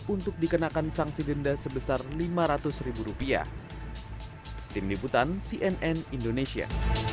untuk dikenakan sanksi denda sebesar lima ratus ribu rupiah